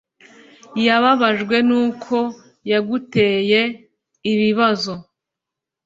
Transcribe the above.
Yababajwe nuko yaguteye ibibazo